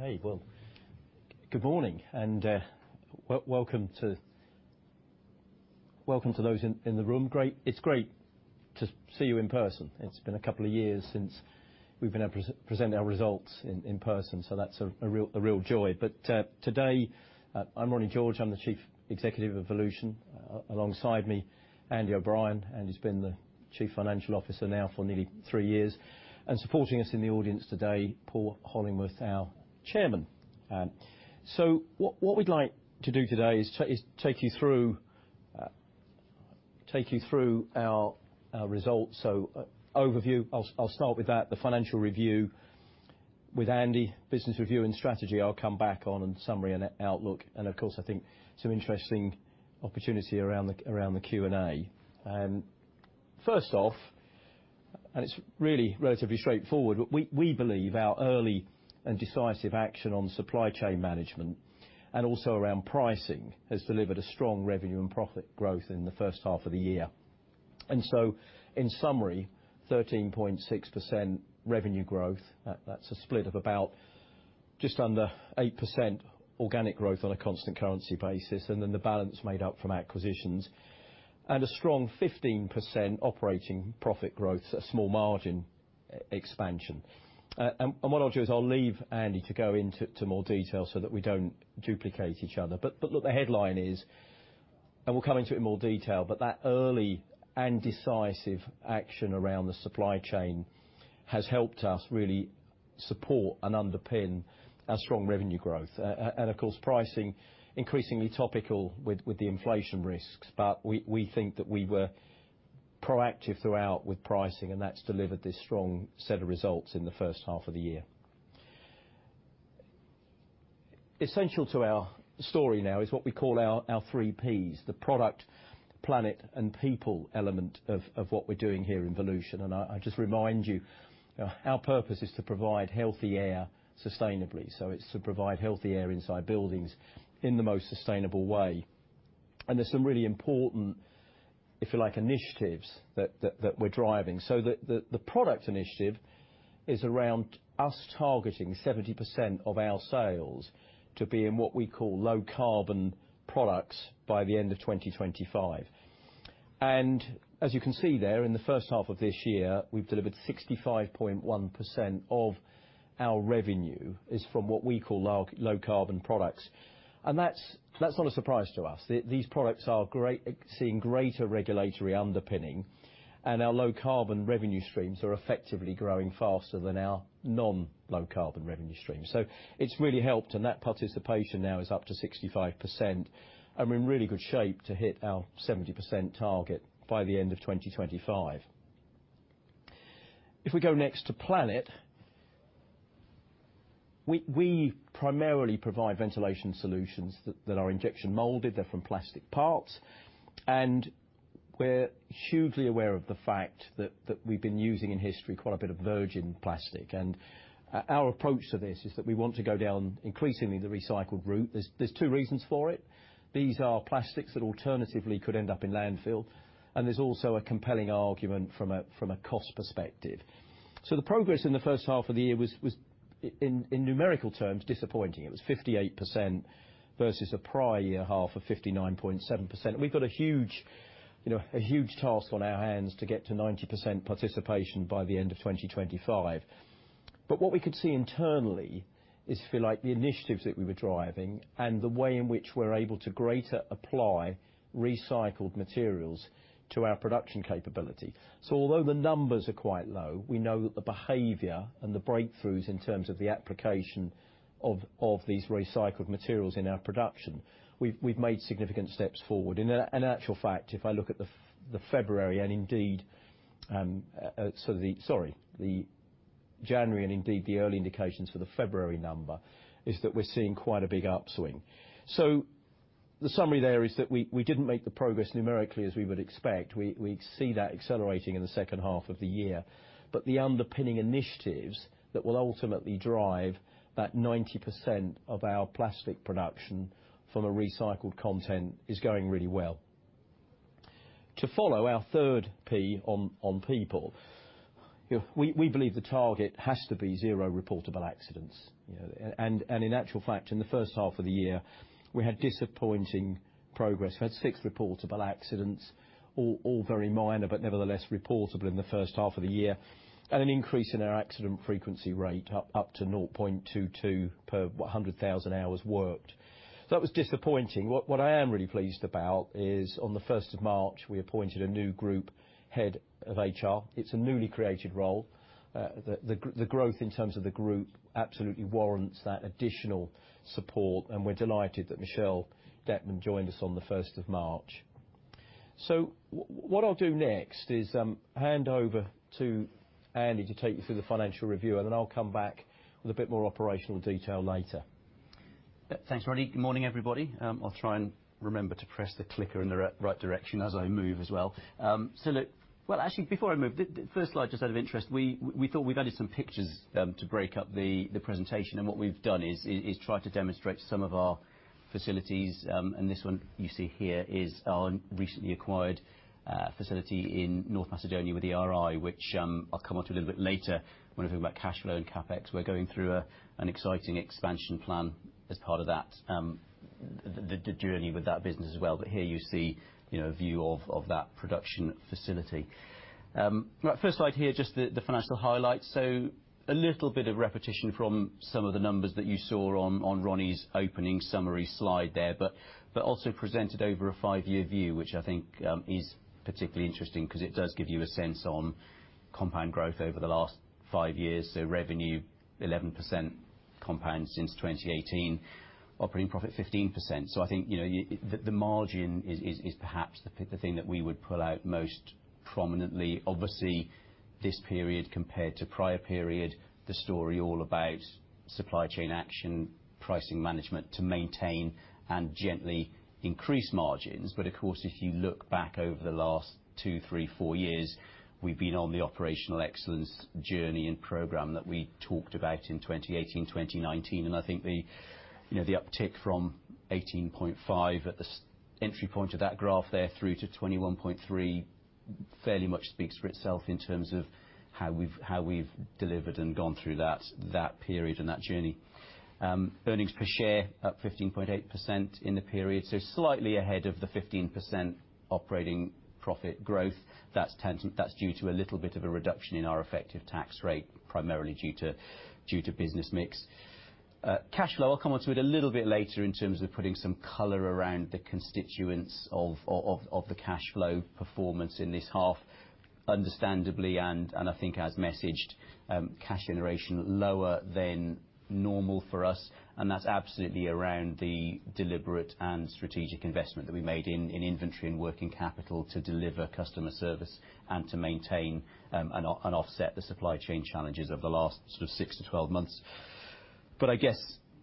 Okay, well, good morning, and welcome to those in the room. Great. It's great to see you in person. It's been a couple of years since we've been able to present our results in person, so that's a real joy. Today, I'm Ronnie George, I'm the Chief Executive of Volution. Alongside me, Andy O'Brien. Andy's been the Chief Financial Officer now for nearly three years. Supporting us in the audience today, Paul Hollingworth, our chairman. What we'd like to do today is take you through our results. Overview, I'll start with that, the financial review. With Andy, business review and strategy, I'll come back on, and summary and outlook. Of course, I think some interesting opportunity around the Q&A. First off, it's really relatively straightforward, we believe our early and decisive action on supply chain management, and also around pricing, has delivered a strong revenue and profit growth in the first half of the year. In summary, 13.6% revenue growth. That's a split of about just under 8% organic growth on a constant currency basis, and then the balance made up from acquisitions. A strong 15% operating profit growth, a small margin expansion. What I'll do is I'll leave Andy to go into more detail so that we don't duplicate each other. But look, the headline is, and we'll come into it in more detail, but that early and decisive action around the supply chain has helped us really support and underpin our strong revenue growth. Of course, pricing, increasingly topical with the inflation risks. We think that we were proactive throughout with pricing, and that's delivered this strong set of results in the first half of the year. Essential to our story now is what we call our 3Ps, the product, planet, and people element of what we're doing here in Volution. I just remind you, our purpose is to provide healthy air sustainably. It's to provide healthy air inside buildings in the most sustainable way. There's some really important, if you like, initiatives that we're driving. The product initiative is around us targeting 70% of our sales to be in what we call low carbon products by the end of 2025. As you can see there, in the first half of this year, we've delivered 65.1% of our revenue is from what we call low carbon products. That's not a surprise to us. These products are great seeing greater regulatory underpinning, and our low carbon revenue streams are effectively growing faster than our non-low carbon revenue streams. It's really helped, and that participation now is up to 65%, and we're in really good shape to hit our 70% target by the end of 2025. If we go next to planet, we primarily provide ventilation solutions that are injection molded, they're from plastic parts, and we're hugely aware of the fact that we've been using in history quite a bit of virgin plastic. Our approach to this is that we want to go down increasingly the recycled route. There's two reasons for it. These are plastics that alternatively could end up in landfill, and there's also a compelling argument from a cost perspective. The progress in the first half of the year was in numerical terms, disappointing. It was 58% versus a prior year half of 59.7%. We've got a huge, you know, a huge task on our hands to get to 90% participation by the end of 2025. But what we could see internally is for, like, the initiatives that we were driving and the way in which we're able to greatly apply recycled materials to our production capability. Although the numbers are quite low, we know that the behavior and the breakthroughs in terms of the application of these recycled materials in our production, we've made significant steps forward. In actual fact, if I look at the February, and indeed, the January and indeed the early indications for the February number, is that we're seeing quite a big upswing. The summary there is that we didn't make the progress numerically as we would expect. We see that accelerating in the second half of the year. The underpinning initiatives that will ultimately drive that 90% of our plastic production from a recycled content is going really well. To follow our third P, on people, if we believe the target has to be zero reportable accidents. You know, and in actual fact, in the first half of the year, we had disappointing progress. We had six reportable accidents, all very minor, but nevertheless reportable in the first half of the year, and an increase in our accident frequency rate up to 0.22 per 100,000 hours worked. That was disappointing. What I am really pleased about is on the first of March, we appointed a new Group Head of HR. It's a newly created role. The growth in terms of the group absolutely warrants that additional support, and we're delighted that Michelle Dettman joined us on the first of March. What I'll do next is hand over to Andy to take you through the financial review, and then I'll come back with a bit more operational detail later. Thanks, Ronnie. Good morning, everybody. I'll try and remember to press the clicker in the right direction as I move as well. Look. Well, actually, before I move, the first slide, just out of interest, we thought we'd add in some pictures to break up the presentation. What we've done is try to demonstrate some of our facilities. This one you see here is our recently acquired facility in North Macedonia with ERI, which I'll come onto a little bit later when I think about cash flow and CapEx. We're going through an exciting expansion plan as part of that, the journey with that business as well. Here you see, you know, a view of that production facility. Right, first slide here, just the financial highlights. A little bit of repetition from some of the numbers that you saw on Ronnie's opening summary slide there, but also presented over a five-year view, which I think is particularly interesting because it does give you a sense on compound growth over the last five years. Revenue 11% compound since 2018. Operating profit, 15%. I think, you know, the margin is perhaps the thing that we would pull out most prominently. Obviously, this period compared to prior period, the story all about supply chain action, pricing management to maintain and gently increase margins. Of course, if you look back over the last two, three, four years, we've been on the operational excellence journey and program that we talked about in 2018, 2019. I think the, you know, the uptick from 18.5 at the entry point of that graph there through to 21.3 pretty much speaks for itself in terms of how we've delivered and gone through that period and that journey. Earnings per share up 15.8% in the period, so slightly ahead of the 15% operating profit growth. That's due to a little bit of a reduction in our effective tax rate, primarily due to business mix. Cash flow, I'll come onto it a little bit later in terms of putting some color around the constituents of the cash flow performance in this half. Understandably, I think as messaged, cash generation lower than normal for us, and that's absolutely around the deliberate and strategic investment that we made in inventory and working capital to deliver customer service and to maintain and offset the supply chain challenges over the last sort of six to 12 months. I guess,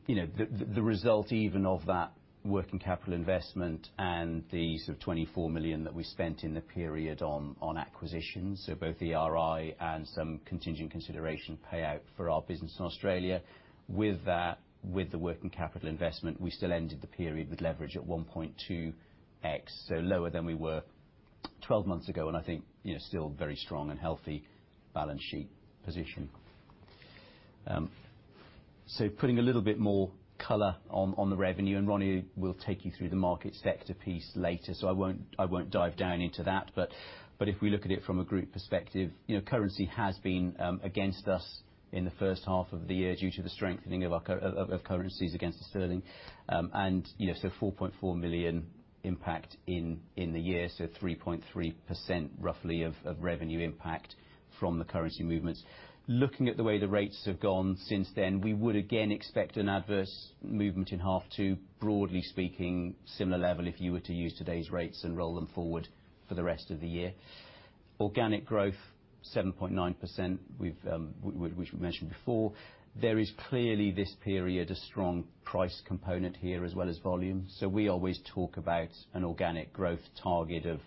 you know, the result even of that working capital investment and the sort of 24 million that we spent in the period on acquisitions, so both ERI and some contingent consideration payout for our business in Australia. With that, with the working capital investment, we still ended the period with leverage at 1.2x, so lower than we were 12 months ago, and I think, you know, still very strong and healthy balance sheet position. Putting a little bit more color on the revenue, and Ronnie will take you through the market sector piece later, I won't dive down into that. If we look at it from a group perspective, you know, currency has been against us in the first half of the year due to the strengthening of our currencies against the sterling. You know, 4.4 million impact in the year, 3.3% roughly of revenue impact from the currency movements. Looking at the way the rates have gone since then, we would again expect an adverse movement in half two. Broadly speaking, similar level if you were to use today's rates and roll them forward for the rest of the year. Organic growth 7.9%. We've, which we mentioned before. There is clearly this period a strong price component here as well as volume. We always talk about an organic growth target of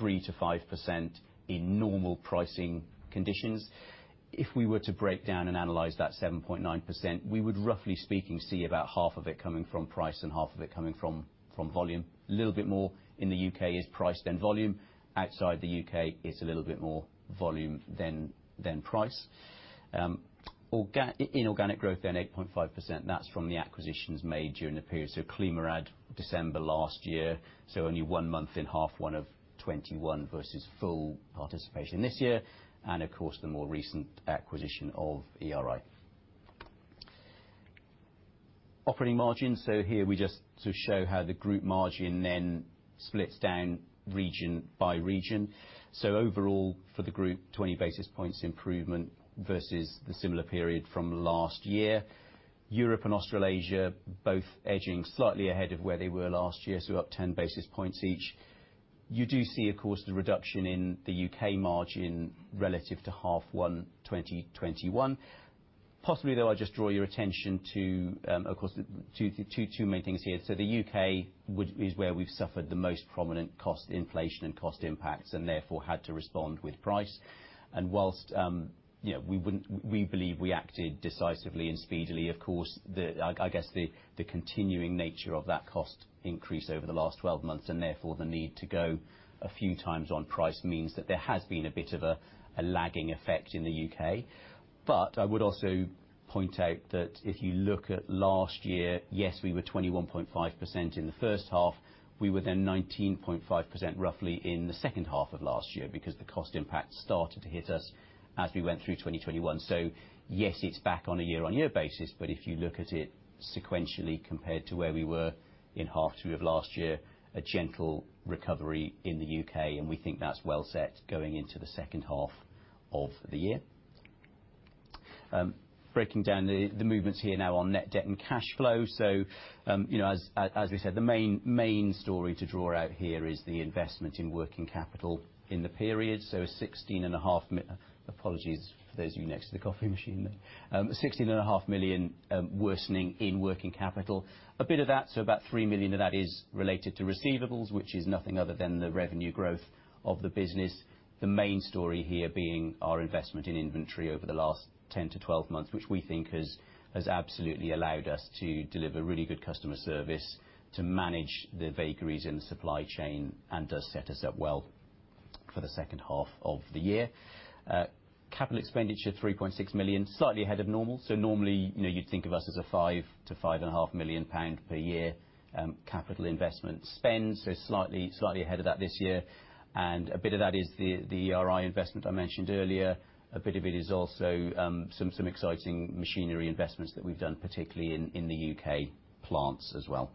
3%-5% in normal pricing conditions. If we were to break down and analyze that 7.9%, we would, roughly speaking, see about half of it coming from price and half of it coming from volume. A little bit more in the U.K. is price than volume. Outside the U.K., it's a little bit more volume than price. Inorganic growth then 8.5%, that's from the acquisitions made during the period. ClimaRad, December last year, so only one month in H1 2021 versus full participation this year. Of course, the more recent acquisition of ERI. Operating margin. Here we want to show how the group margin then splits down region by region. Overall for the group, 20 basis points improvement versus the similar period from last year. Europe and Australasia both edging slightly ahead of where they were last year, so up 10 basis points each. You do see, of course, the reduction in the U.K. margin relative to H1 2021. Possibly, though, I'd just draw your attention to, of course, the two main things here. The U.K. is where we've suffered the most prominent cost inflation and cost impacts, and therefore had to respond with price. While you know, we believe we acted decisively and speedily, of course, I guess the continuing nature of that cost increase over the last 12 months, and therefore the need to go a few times on price means that there has been a bit of a lagging effect in the U.K. I would also point out that if you look at last year, yes, we were 21.5% in the first half. We were then 19.5% roughly in the second half of last year, because the cost impact started to hit us as we went through 2021. Yes, it's back on a year-on-year basis, but if you look at it sequentially compared to where we were in H2 of last year, a gentle recovery in the U.K., and we think that's well set going into the second half of the year. Breaking down the movements here now on net debt and cash flow. You know, as we said, the main story to draw out here is the investment in working capital in the period. 16.5 million—apologies for those of you next to the coffee machine. 16.5 million worsening in working capital. A bit of that, so about 3 million of that is related to receivables, which is nothing other than the revenue growth of the business. The main story here being our investment in inventory over the last 10-12 months, which we think has absolutely allowed us to deliver really good customer service, to manage the vagaries in the supply chain, and does set us up well for the second half of the year. Capital expenditure 3.6 million, slightly ahead of normal. Normally, you know, you'd think of us as a 5-5.5 million pound per year capital investment spend, slightly ahead of that this year. A bit of that is the ERI investment I mentioned earlier. A bit of it is also some exciting machinery investments that we've done, particularly in the U.K. plants as well.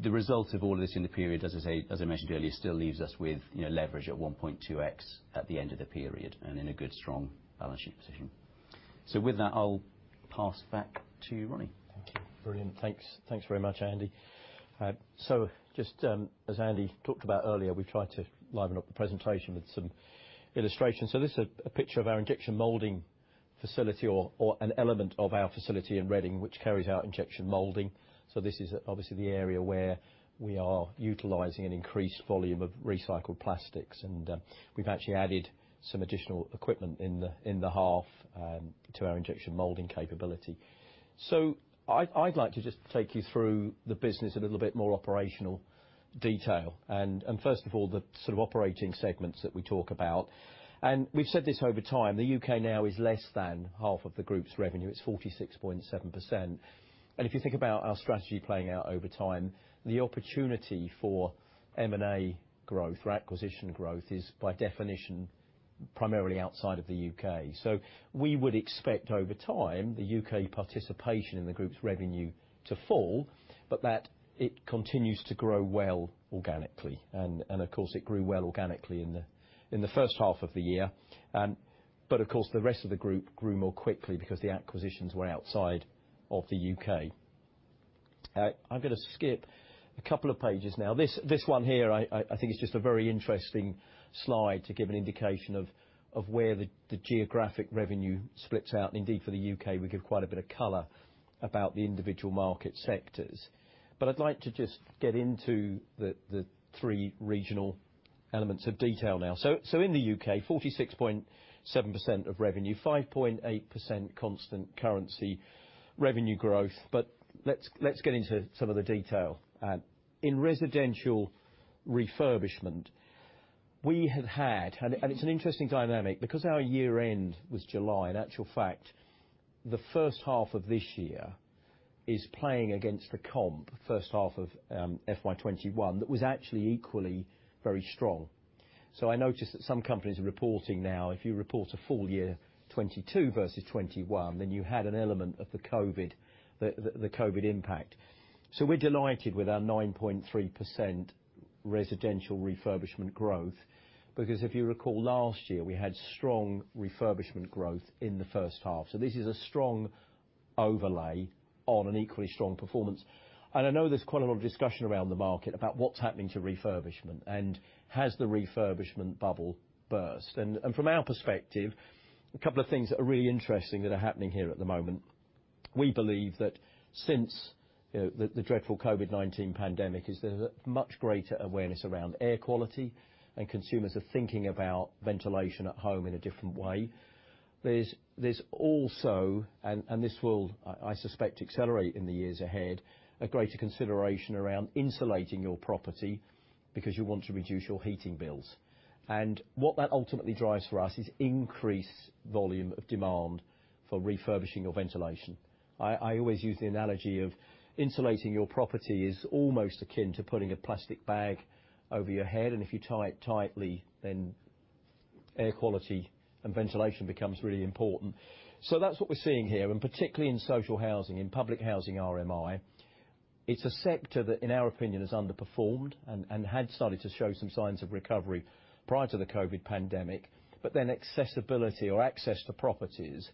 The result of all of this in the period, as I say, as I mentioned earlier, still leaves us with, you know, leverage at 1.2x at the end of the period, and in a good strong balance sheet position. With that, I'll pass back to Ronnie. Thank you. Brilliant. Thanks very much, Andy. Just as Andy talked about earlier, we tried to liven up the presentation with some illustrations. This is a picture of our injection molding facility or an element of our facility in Reading, which carries our injection molding. This is, obviously, the area where we are utilizing an increased volume of recycled plastics. We've actually added some additional equipment in the half to our injection molding capability. I'd like to just take you through the business a little bit more operational detail. First of all, the sort of operating segments that we talk about. We've said this over time, the U.K. now is less than half of the group's revenue. It's 46.7%. If you think about our strategy playing out over time, the opportunity for M&A growth or acquisition growth is by definition, primarily outside of the U.K. We would expect over time, the U.K. participation in the group's revenue to fall, but that it continues to grow well organically. Of course, it grew well organically in the first half of the year. Of course, the rest of the group grew more quickly because the acquisitions were outside of the U.K. I'm gonna skip a couple of pages now. This one here I think is just a very interesting slide to give an indication of where the geographic revenue splits out. Indeed, for the U.K., we give quite a bit of color about the individual market sectors. I'd like to just get into the three regional elements of detail now. In the U.K., 46.7% of revenue, 5.8% constant currency revenue growth. Let's get into some of the detail. In residential refurbishment, we have had, and it's an interesting dynamic because our year-end was July. In actual fact, the first half of this year is playing against the comp, first half of FY 2021, that was actually equally very strong. I noticed that some companies are reporting now, if you report a full year 2022 versus 2021, then you had an element of the COVID impact. We're delighted with our 9.3% residential refurbishment growth, because if you recall last year, we had strong refurbishment growth in the first half. This is a strong overlay on an equally strong performance. I know there's quite a lot of discussion around the market about what's happening to refurbishment and has the refurbishment bubble burst. From our perspective, a couple of things that are really interesting that are happening here at the moment. We believe that since the dreadful COVID-19 pandemic, there's a much greater awareness around air quality, and consumers are thinking about ventilation at home in a different way. There's also this will, I suspect, accelerate in the years ahead, a greater consideration around insulating your property because you want to reduce your heating bills. What that ultimately drives for us is increased volume of demand for refurbishing of ventilation. I always use the analogy of insulating your property is almost akin to putting a plastic bag over your head, and if you tie it tightly, then air quality and ventilation becomes really important. That's what we're seeing here, and particularly in social housing, in public housing RMI. It's a sector that, in our opinion, has underperformed and had started to show some signs of recovery prior to the COVID-19 pandemic, but then accessibility or access to properties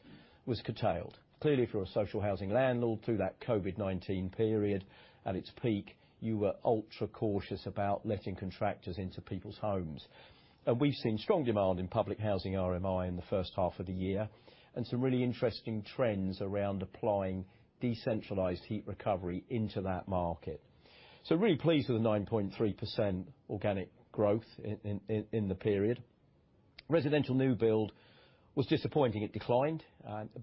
was curtailed. Clearly, if you're a social housing landlord through that COVID-19 period at its peak, you were ultra cautious about letting contractors into people's homes. We've seen strong demand in public housing RMI in the first half of the year, and some really interesting trends around applying decentralized heat recovery into that market. Really pleased with the 9.3% organic growth in the period. Residential new build was disappointing, it declined.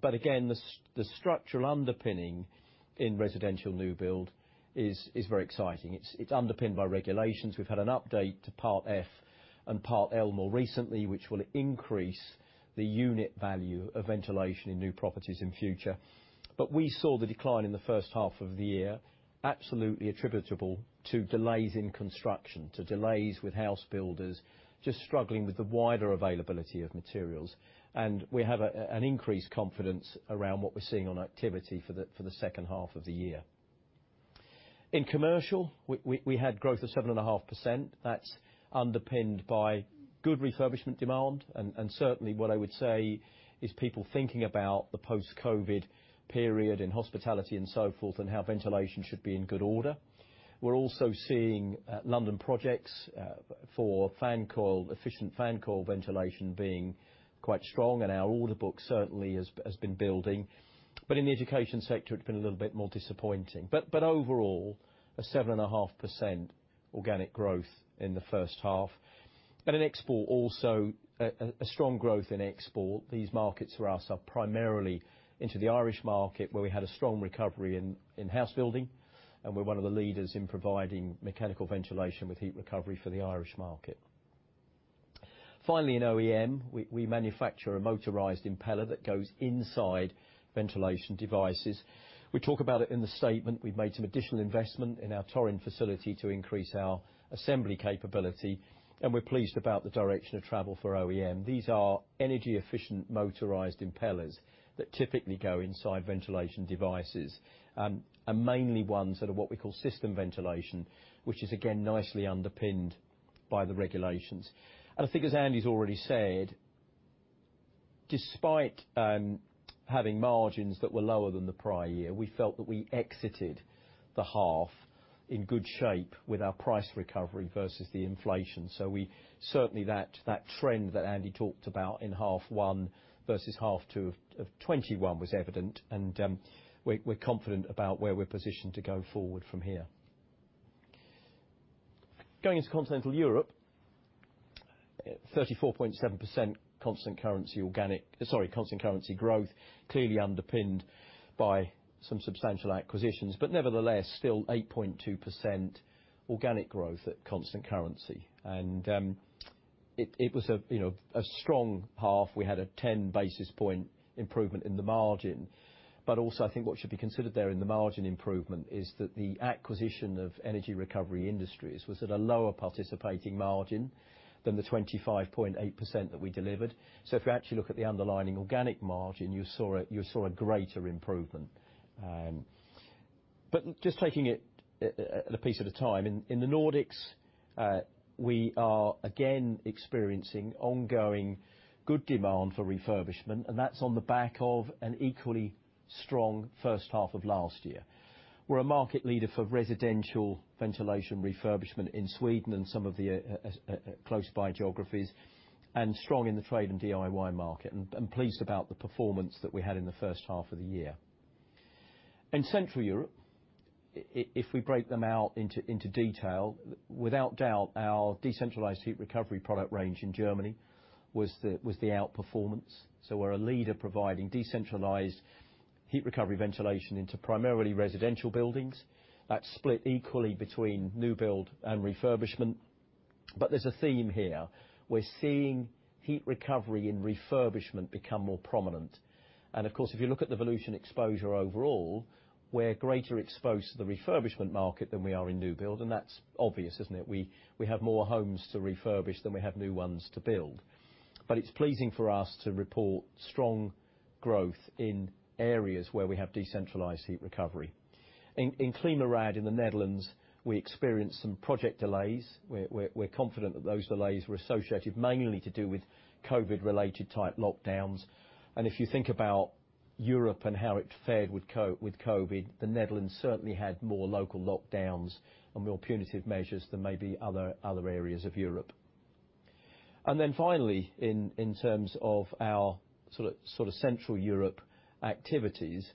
Again, the structural underpinning in residential new build is very exciting. It's underpinned by regulations. We've had an update to Part F and Part L more recently, which will increase the unit value of ventilation in new properties in future. We saw the decline in the first half of the year absolutely attributable to delays in construction, to delays with house builders just struggling with the wider availability of materials. We have increased confidence around what we're seeing on activity for the second half of the year. In commercial, we had growth of 7.5%. That's underpinned by good refurbishment demand, and certainly what I would say is people thinking about the post-COVID period in hospitality and so forth and how ventilation should be in good order. We're also seeing London projects for fan coil efficient fan coil ventilation being quite strong, and our order book certainly has been building. In the education sector, it's been a little bit more disappointing. Overall, 7.5% organic growth in the first half. In export also a strong growth in export. These markets for us are primarily into the Irish market, where we had a strong recovery in house building, and we're one of the leaders in providing mechanical ventilation with heat recovery for the Irish market. Finally, in OEM, we manufacture a motorized impeller that goes inside ventilation devices. We talk about it in the statement. We've made some additional investment in our Torin-Sifan facility to increase our assembly capability, and we're pleased about the direction of travel for OEM. These are energy-efficient motorized impellers that typically go inside ventilation devices, and mainly ones that are what we call system ventilation, which is, again, nicely underpinned by the regulations. I think, as Andy's already said, despite having margins that were lower than the prior year, we felt that we exited the half in good shape with our price recovery versus the inflation. Certainly that trend that Andy talked about in half one versus half two of 2021 was evident, and we're confident about where we're positioned to go forward from here. Going into Continental Europe, 34.7% constant currency organic... Sorry, constant currency growth, clearly underpinned by some substantial acquisitions. Nevertheless, still 8.2% organic growth at constant currency. It was, you know, a strong half. We had a 10 basis point improvement in the margin. Also I think what should be considered there in the margin improvement is that the acquisition of Energy Recovery Industries was at a lower participating margin than the 25.8% that we delivered. If you actually look at the underlying organic margin, you saw a greater improvement. Just taking it a piece at a time, in the Nordics, we are again experiencing ongoing good demand for refurbishment, and that's on the back of an equally strong first half of last year. We're a market leader for residential ventilation refurbishment in Sweden and some of the close by geographies, and strong in the trade and DIY market, and pleased about the performance that we had in the first half of the year. In Central Europe, if we break them out into detail, without doubt, our decentralized heat recovery product range in Germany was the outperformance. We're a leader providing decentralized heat recovery ventilation into primarily residential buildings. That's split equally between new build and refurbishment. There's a theme here. We're seeing heat recovery and refurbishment become more prominent. Of course, if you look at the Volution exposure overall, we're greater exposed to the refurbishment market than we are in new build, and that's obvious, isn't it? We have more homes to refurbish than we have new ones to build. It's pleasing for us to report strong growth in areas where we have decentralized heat recovery. In ClimaRad in the Netherlands, we experienced some project delays. We're confident that those delays were associated mainly to do with COVID-related type lockdowns. If you think about Europe and how it fared with COVID, the Netherlands certainly had more local lockdowns and more punitive measures than maybe other areas of Europe. Then finally, in terms of our sort of Central Europe activities,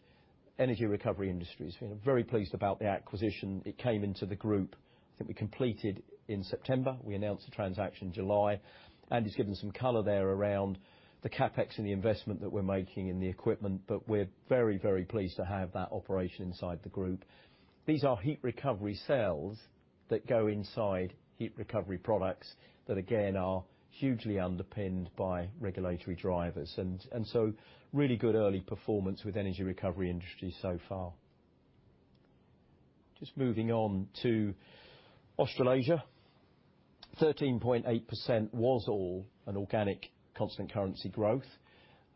Energy Recovery Industries, you know, very pleased about the acquisition. It came into the group, I think we completed in September. We announced the transaction in July. Andy's given some color there around the CapEx and the investment that we're making in the equipment. We're very pleased to have that operation inside the group. These are heat recovery cells that go inside heat recovery products that again are hugely underpinned by regulatory drivers. Really good early performance with Energy Recovery Industries so far. Just moving on to Australasia. 13.8% was all an organic constant currency growth.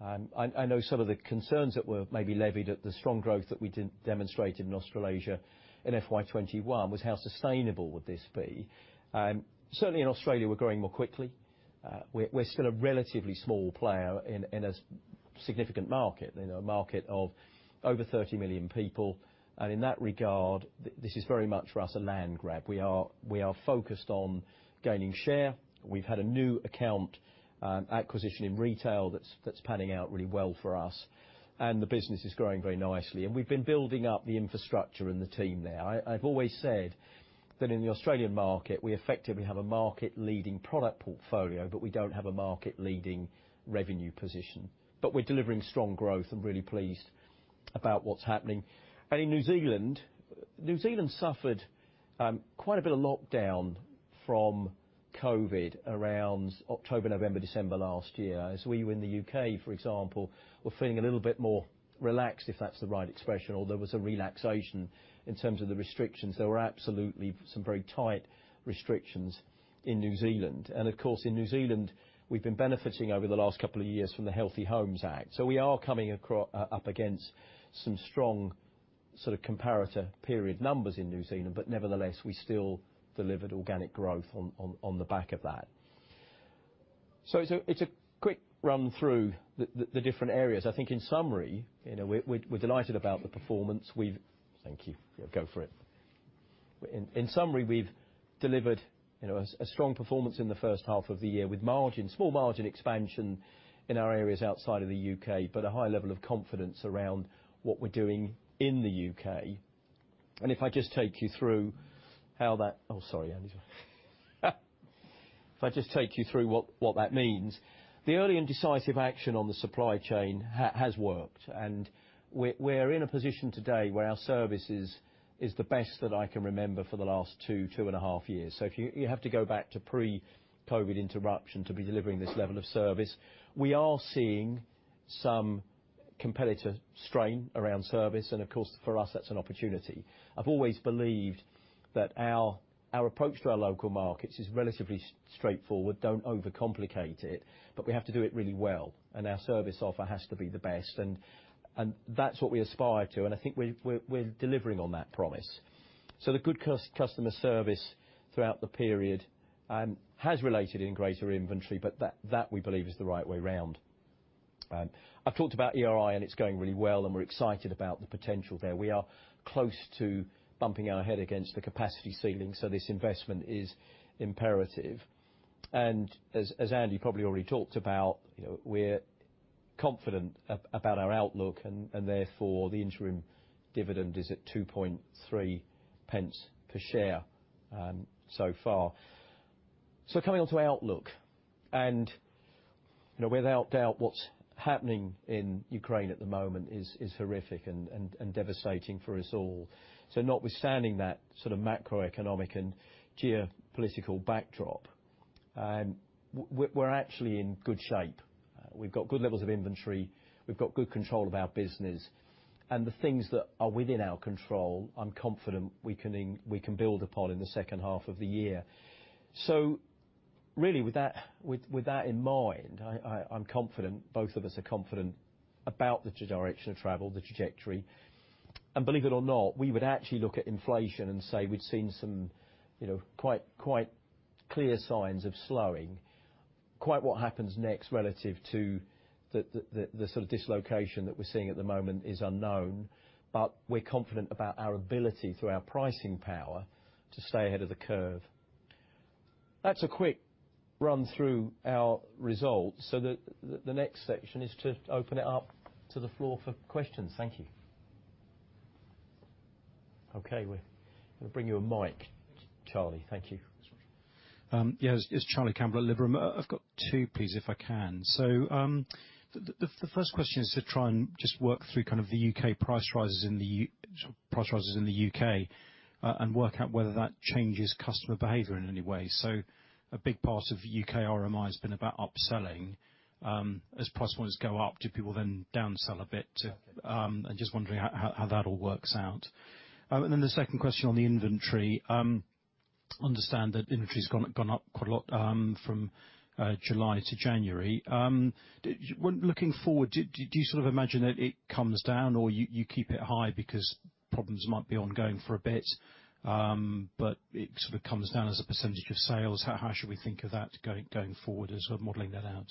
I know some of the concerns that were maybe levied at the strong growth that we demonstrated in Australasia in FY 2021 was how sustainable would this be. Certainly in Australia we're growing more quickly. We're still a relatively small player in a significant market, you know, a market of over 30 million people. In that regard, this is very much for us a land grab. We are focused on gaining share. We've had a new account acquisition in retail that's panning out really well for us. The business is growing very nicely. We've been building up the infrastructure and the team there. I've always said that in the Australian market, we effectively have a market-leading product portfolio, but we don't have a market-leading revenue position. We're delivering strong growth. I'm really pleased about what's happening. In New Zealand, New Zealand suffered quite a bit of lockdown from COVID around October, November, December last year, as we were in the U.K., for example, were feeling a little bit more relaxed, if that's the right expression, or there was a relaxation in terms of the restrictions. There were absolutely some very tight restrictions in New Zealand. Of course, in New Zealand, we've been benefiting over the last couple of years from the Healthy Homes Act. We are coming up against some strong sort of comparator period numbers in New Zealand, but nevertheless, we still delivered organic growth on the back of that. It's a quick run-through the different areas. I think in summary, you know, we're delighted about the performance. We've... Thank you. Yeah, go for it. In summary, we've delivered, you know, a strong performance in the first half of the year with small margin expansion in our areas outside of the U.K., but a high level of confidence around what we're doing in the U.K. If I just take you through what that means. The early and decisive action on the supply chain has worked, and we're in a position today where our service is the best that I can remember for the last two and a half years. If you have to go back to pre-COVID interruption to be delivering this level of service. We are seeing some competitor strain around service and of course for us that's an opportunity. I've always believed that our approach to our local markets is relatively straightforward. Don't overcomplicate it. We have to do it really well, and our service offer has to be the best, and that's what we aspire to, and I think we're delivering on that promise. The good customer service throughout the period has resulted in greater inventory, but that we believe is the right way around. I've talked about ERI, and it's going really well, and we're excited about the potential there. We are close to bumping our head against the capacity ceiling, so this investment is imperative. As Andy probably already talked about, you know, we're confident about our outlook and therefore, the interim dividend is at 2.3 pence per share so far. Coming on to outlook, you know, without doubt, what's happening in Ukraine at the moment is horrific and devastating for us all. Notwithstanding that sort of macroeconomic and geopolitical backdrop, we're actually in good shape. We've got good levels of inventory. We've got good control of our business. The things that are within our control, I'm confident we can build upon in the second half of the year. Really with that in mind, I'm confident, both of us are confident about the direction of travel, the trajectory. Believe it or not, we would actually look at inflation and say we'd seen some, you know, quite clear signs of slowing. Quite what happens next relative to the sort of dislocation that we're seeing at the moment is unknown. We're confident about our ability through our pricing power to stay ahead of the curve. That's a quick run-through our results, the next section is to open it up to the floor for questions. Thank you. Okay, we'll bring you a mic, Charlie. Thank you. Yes. It's Charlie Campbell at Liberum. I've got two, please, if I can. The first question is to try and just work through kind of the U.K. price rises in the U.K. And work out whether that changes customer behavior in any way. A big part of U.K. RMI has been about upselling. As price rises go up, do people then downsell a bit? I'm just wondering how that all works out. The second question on the inventory, I understand that inventory's gone up quite a lot from July to January. When looking forward, do you sort of imagine that it comes down or you keep it high because problems might be ongoing for a bit, but it sort of comes down as a percentage of sales? How should we think of that going forward as we're modeling that out?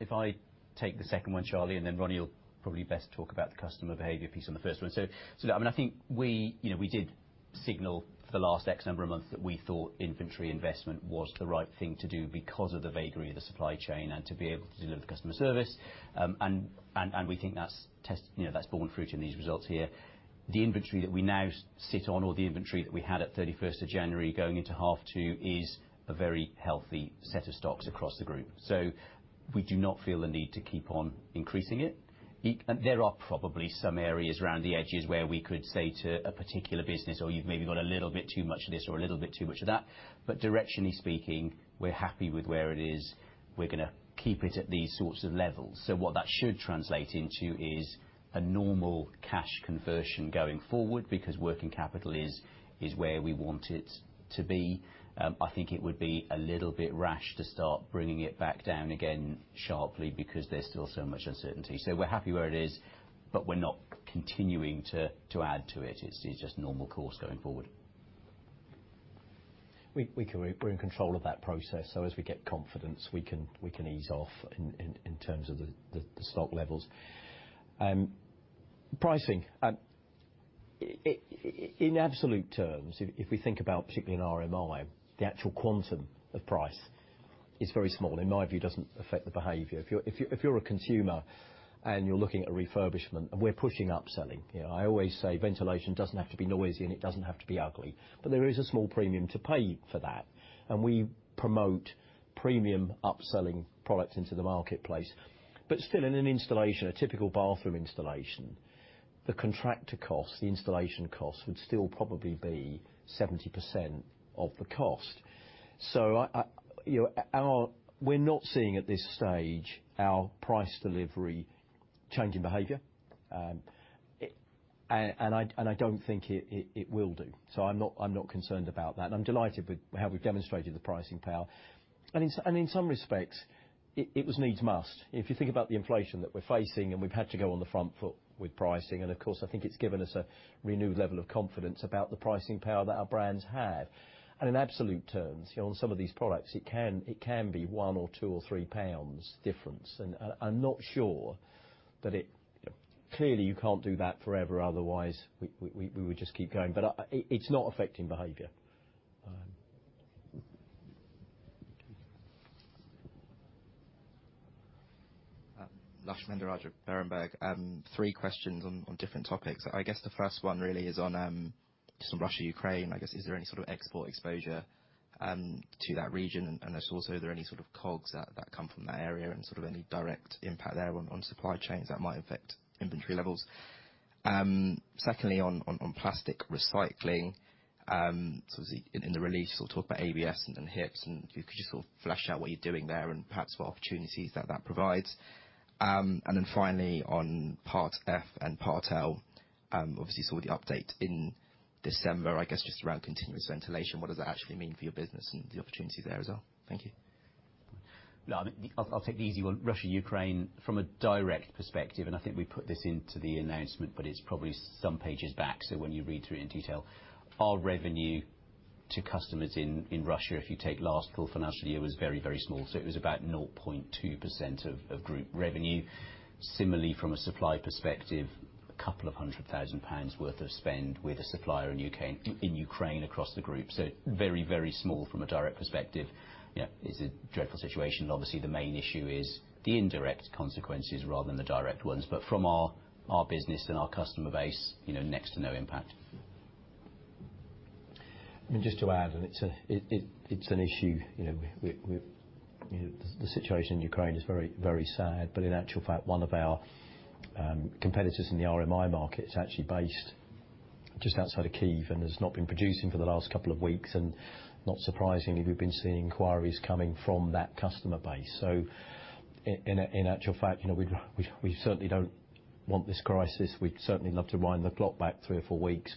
If I take the second one, Charlie, and then Ronnie will probably best talk about the customer behavior piece on the first one. I mean, I think we, you know, we did signal for the last X number of months that we thought inventory investment was the right thing to do because of the vagary of the supply chain and to be able to deliver the customer service. And we think that's, you know, borne fruit in these results here. The inventory that we now sit on or the inventory that we had at of January 31st, going into half two is a very healthy set of stocks across the group. We do not feel the need to keep on increasing it. There are probably some areas around the edges where we could say to a particular business or you've maybe got a little bit too much of this or a little bit too much of that. Directionally speaking, we're happy with where it is. We're gonna keep it at these sorts of levels. What that should translate into is a normal cash conversion going forward because working capital is where we want it to be. I think it would be a little bit rash to start bringing it back down again sharply because there's still so much uncertainty. We're happy where it is, but we're not continuing to add to it. It's just normal course going forward. We can. We're in control of that process, so as we get confidence, we can ease off in terms of the stock levels. Pricing. In absolute terms, if we think about particularly in RMI, the actual quantum of price is very small. In my view, it doesn't affect the behavior. If you're a consumer and you're looking at refurbishment, and we're pushing upselling. You know, I always say ventilation doesn't have to be noisy and it doesn't have to be ugly. But there is a small premium to pay for that, and we promote premium upselling products into the marketplace. But still in an installation, a typical bathroom installation, the contractor cost, the installation cost would still probably be 70% of the cost. So, you know, our. We're not seeing at this stage our price delivery changing behavior. I don't think it will do. I'm not concerned about that. I'm delighted with how we've demonstrated the pricing power. In some respects it was needs must. If you think about the inflation that we're facing, and we've had to go on the front foot with pricing, and of course, I think it's given us a renewed level of confidence about the pricing power that our brands have. In absolute terms, you know, on some of these products, it can be 1, 2, or 3 pounds difference. I'm not sure that it. Clearly, you can't do that forever, otherwise we would just keep going. It's not affecting behavior. Lushanthan Mahendrarajah, Berenberg. Three questions on different topics. I guess the first one really is on just Russia-Ukraine. I guess, is there any sort of export exposure to that region? I suppose also, are there any sort of COGS that come from that area and sort of any direct impact there on supply chains that might affect inventory levels? Secondly, on plastic recycling, sort of in the release, you sort of talk about ABS and HIPS, and if you could just sort of flesh out what you're doing there and perhaps what opportunities that provides. Finally on Part F and Part L, obviously we saw the update in December, I guess just around continuous ventilation, what does that actually mean for your business and the opportunities there as well? Thank you. No, I mean, I'll take the easy one. Russia-Ukraine, from a direct perspective, and I think we put this into the announcement, but it's probably some pages back, so when you read through it in detail. Our revenue to customers in Russia, if you take last full financial year, was very, very small, so it was about 0.2% of group revenue. Similarly, from a supply perspective, 200,000 pounds worth of spend with a supplier in Ukraine across the group. Very, very small from a direct perspective. You know, it's a dreadful situation. Obviously, the main issue is the indirect consequences rather than the direct ones. From our business and our customer base, you know, next to no impact. I mean, just to add, it's an issue, you know, we, you know, the situation in Ukraine is very sad, but in actual fact, one of our competitors in the RMI market is actually based just outside of Kyiv and has not been producing for the last couple of weeks. Not surprisingly, we've been seeing inquiries coming from that customer base. In actual fact, you know, we certainly don't want this crisis. We'd certainly love to wind the clock back three or four weeks.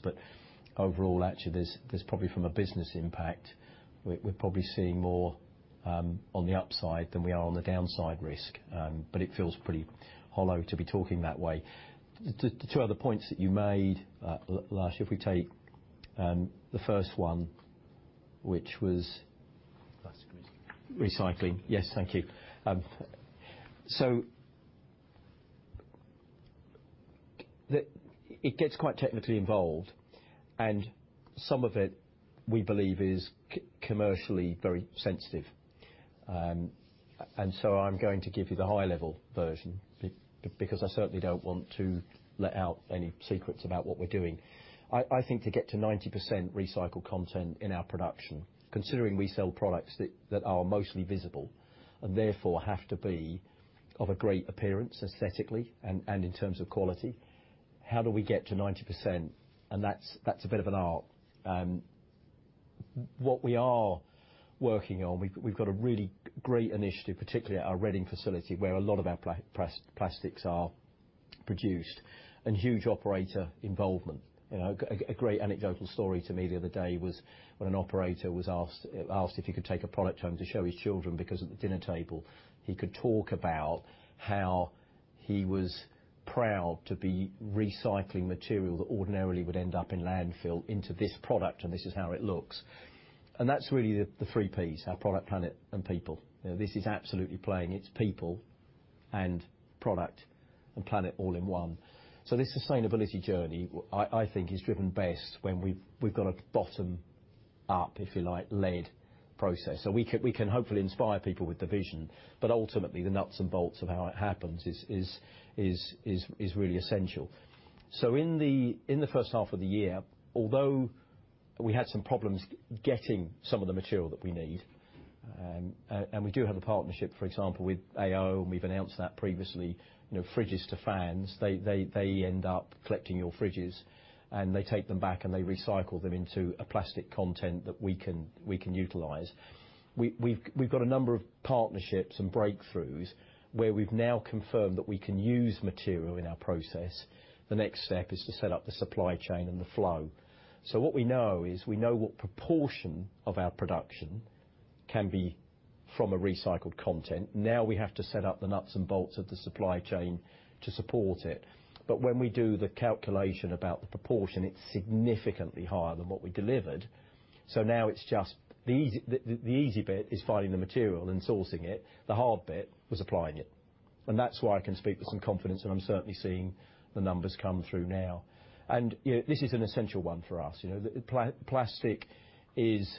Overall, actually, there's probably from a business impact, we're probably seeing more on the upside than we are on the downside risk. But it feels pretty hollow to be talking that way. The two other points that you made, Lash, if we take the first one, which was. Plastic recycling. Recycling. Yes. Thank you. So it gets quite technically involved and some of it, we believe, is commercially very sensitive. I'm going to give you the high-level version because I certainly don't want to let out any secrets about what we're doing. I think to get to 90% recycled content in our production, considering we sell products that are mostly visible and therefore have to be of a great appearance aesthetically and in terms of quality, how do we get to 90%? That's a bit of an art. What we are working on, we've got a really great initiative, particularly at our Reading facility, where a lot of our plastics are produced and huge operator involvement. You know, a great anecdotal story to me the other day was when an operator was asked if he could take a product home to show his children because at the dinner table, he could talk about how he was proud to be recycling material that ordinarily would end up in landfill into this product, and this is how it looks. That's really the 3Ps, our product, planet and people. You know, this is absolutely playing its people and product and planet all in one. This sustainability journey, I think, is driven best when we've got a bottom up, if you like, led process. We can hopefully inspire people with the vision, but ultimately the nuts and bolts of how it happens is really essential. In the first half of the year, although we had some problems getting some of the material that we need, and we do have a partnership, for example, with AO, and we've announced that previously. You know, fridges to fans, they end up collecting your fridges and they take them back and they recycle them into a plastic content that we can utilize. We've got a number of partnerships and breakthroughs where we've now confirmed that we can use material in our process. The next step is to set up the supply chain and the flow. What we know is what proportion of our production can be from a recycled content. Now we have to set up the nuts and bolts of the supply chain to support it. When we do the calculation about the proportion, it's significantly higher than what we delivered. Now it's just the easy bit is finding the material and sourcing it. The hard bit was applying it. That's why I can speak with some confidence, and I'm certainly seeing the numbers come through now. You know, this is an essential one for us. You know, the plastic is,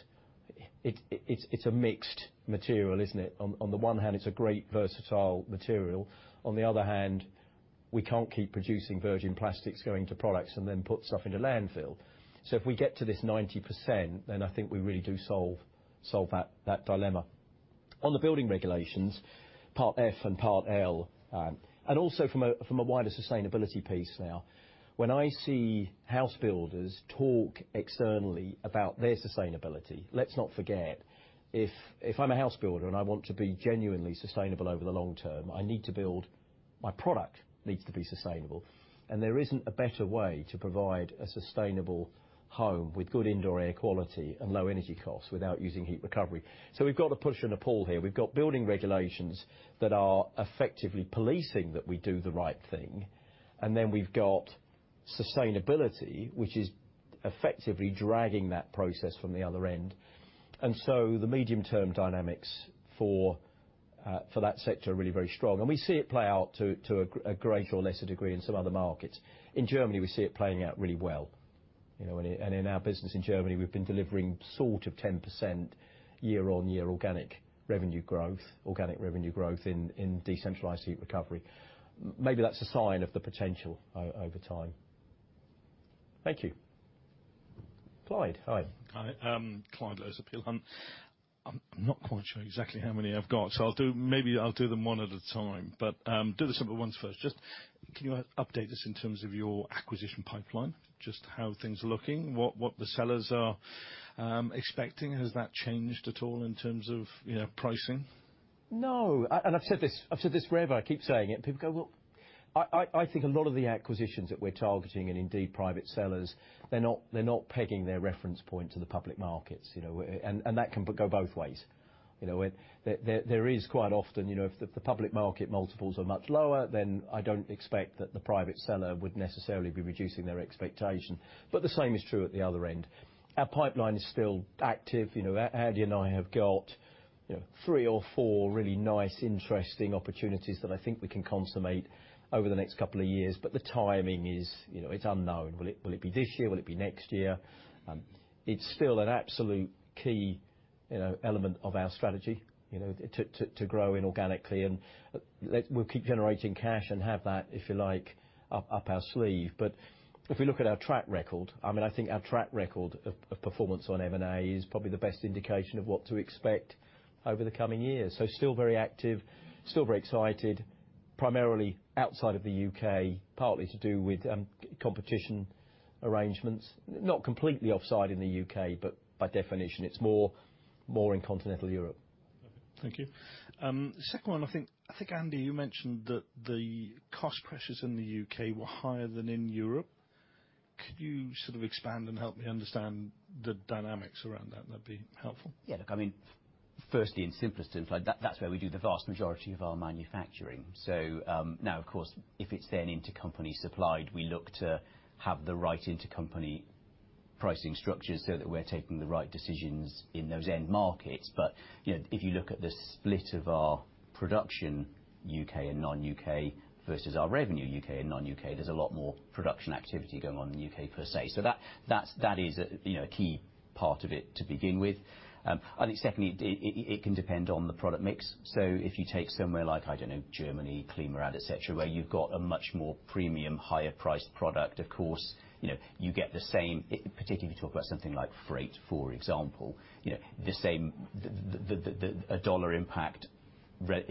it's a mixed material, isn't it? On the one hand, it's a great versatile material. On the other hand, we can't keep producing virgin plastics going to products and then put stuff into landfill. If we get to this 90%, then I think we really do solve that dilemma. On the building regulations, Part F and Part L, and also from a wider sustainability piece now, when I see house builders talk externally about their sustainability, let's not forget, if I'm a house builder and I want to be genuinely sustainable over the long term, My product needs to be sustainable, and there isn't a better way to provide a sustainable home with good indoor air quality and low energy costs without using heat recovery. So we've got a push and a pull here. We've got building regulations that are effectively policing that we do the right thing, and then we've got sustainability, which is effectively dragging that process from the other end. The medium-term dynamics for that sector are really very strong. We see it play out to a greater or lesser degree in some other markets. In Germany, we see it playing out really well, you know. In our business in Germany, we've been delivering sort of 10% year-on-year organic revenue growth in decentralized heat recovery. Maybe that's a sign of the potential over time. Thank you. Clyde, hi. Hi, Clyde Lewis, Peel Hunt. I'm not quite sure exactly how many I've got, so I'll do them one at a time. Do the simple ones first. Just can you update us in terms of your acquisition pipeline? Just how things are looking, what the sellers are expecting. Has that changed at all in terms of, you know, pricing? No. I've said this forever. I keep saying it. People go, "Well." I think a lot of the acquisitions that we're targeting, and indeed private sellers, they're not pegging their reference point to the public markets, you know. That can go both ways, you know. There is quite often, you know, if the public market multiples are much lower, then I don't expect that the private seller would necessarily be reducing their expectation. The same is true at the other end. Our pipeline is still active. You know, Andy and I have got, you know, three or four really nice, interesting opportunities that I think we can consummate over the next couple of years. The timing is, you know, it's unknown. Will it be this year? Will it be next year? It's still an absolute key, you know, element of our strategy, you know, to grow inorganically. We'll keep generating cash and have that, if you like, up our sleeve. If we look at our track record, I mean, I think our track record of performance on M&A is probably the best indication of what to expect over the coming years. Still very active, still very excited, primarily outside of the U.K., partly to do with competition arrangements. Not completely offside in the U.K., but by definition, it's more in continental Europe. Thank you. Second one, I think, Andy, you mentioned that the cost pressures in the U.K. were higher than in Europe. Could you sort of expand and help me understand the dynamics around that? That'd be helpful. Yeah. Look, I mean, firstly, in simplest terms, like that's where we do the vast majority of our manufacturing. Now, of course, if it's then intercompany supplied, we look to have the right intercompany pricing structures so that we're taking the right decisions in those end markets. You know, if you look at the split of our production U.K. and non-U.K. versus our revenue U.K. and non-U.K., there's a lot more production activity going on in the U.K., per se. That is a key part of it to begin with. It's definitely it can depend on the product mix. If you take somewhere like, I don't know, Germany, ClimaRad et cetera, where you've got a much more premium, higher priced product, of course, you know, you get the same... Particularly if you talk about something like freight, for example, you know, the same, the dollar impact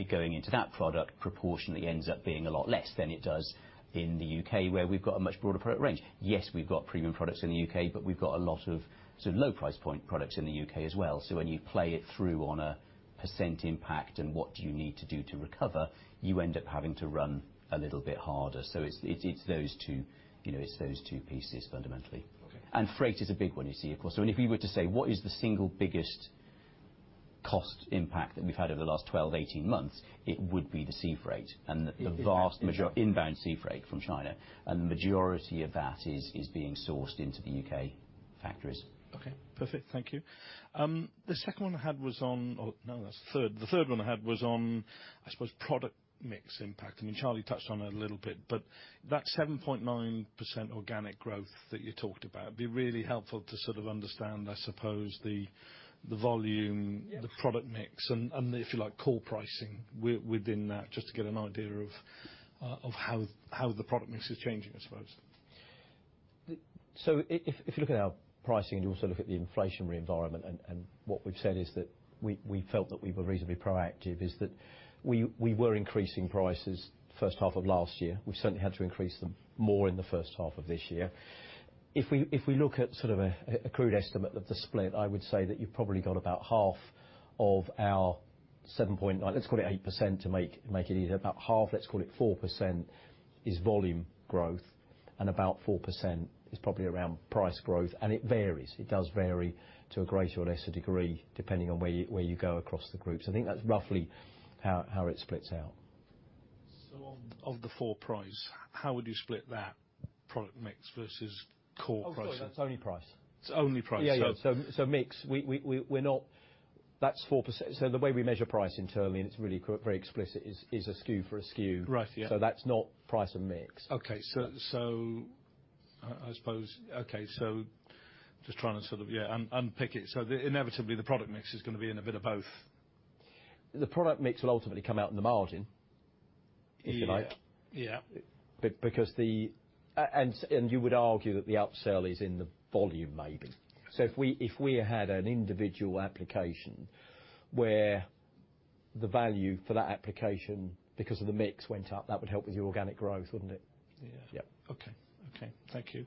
going into that product proportionally ends up being a lot less than it does in the U.K., where we've got a much broader product range. Yes, we've got premium products in the U.K., but we've got a lot of sort of low price point products in the U.K. as well. So when you play it through on a percent impact and what do you need to do to recover, you end up having to run a little bit harder. So it's those two, you know, it's those two pieces fundamentally. Okay. Freight is a big one, you see, of course. If you were to say, what is the single biggest cost impact that we've had over the last 12-18 months, it would be the sea freight and the vast major. Inbound. Inbound sea freight from China. The majority of that is being sourced into the U.K. factories. Okay. Perfect. Thank you. The third one I had was on, I suppose, product mix impact. I mean, Charlie touched on it a little bit, but that 7.9% organic growth that you talked about, it'd be really helpful to sort of understand, I suppose, the volume- Yeah. The product mix and, if you like, core pricing within that, just to get an idea of how the product mix is changing, I suppose. If you look at our pricing and you also look at the inflationary environment, and what we've said is that we felt that we were reasonably proactive, that we were increasing prices first half of last year. We've certainly had to increase them more in the first half of this year. If we look at sort of a crude estimate of the split, I would say that you've probably got about half of our 7.9, let's call it 8% to make it easier. About half, let's call it 4% is volume growth, and about 4% is probably around price growth, and it varies. It does vary to a greater or lesser degree, depending on where you go across the group. I think that's roughly how it splits out. Of the 4%, how would you split that product mix versus core pricing? Oh, sorry. That's only price. It's only price. Yeah, yeah. Mix, we're not. That's 4%. The way we measure price internally, and it's really quite very explicit, is a SKU for a SKU. Right. Yeah. That's not price and mix. I suppose just trying to sort of, yeah, unpick it. Inevitably, the product mix is gonna be in a bit of both. The product mix will ultimately come out in the margin. Yeah. If you like. Yeah. You would argue that the upsell is in the volume maybe. If we had an individual application where the value for that application, because of the mix, went up, that would help with your organic growth, wouldn't it? Yeah. Yeah. Okay. Thank you.